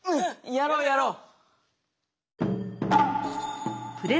やろうやろう！